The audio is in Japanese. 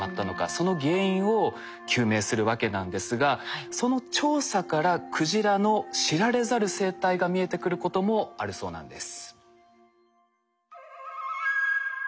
その原因を究明するわけなんですがその調査からクジラの知られざる生態が見えてくることもあるそうなんです。